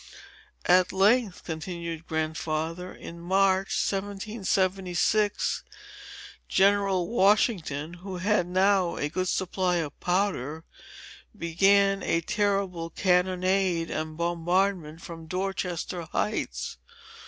"At length," continued Grandfather, "in March, 1776, General Washington, who had now a good supply of powder, began a terrible cannonade and bombardment from Dorchester heights.